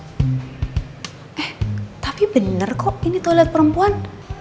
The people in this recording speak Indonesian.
eh tapi benar kok ini toilet perempuan